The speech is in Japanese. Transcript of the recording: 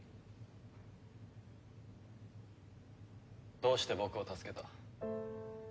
どうして僕を助けた？